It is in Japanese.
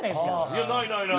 いやないないない。